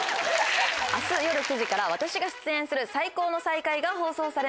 明日夜９時から私が出演する『最高の最下位』が放送されます。